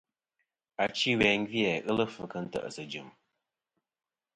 Achi ɨwe gvi-a ghelɨ fvɨ kɨ nte ̀sɨ jɨm.